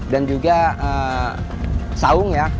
dan juga saung ya